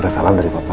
ada salam dari papa